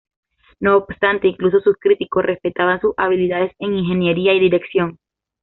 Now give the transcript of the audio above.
No obstante, incluso sus críticos respetaban sus habilidades en ingeniería y dirección.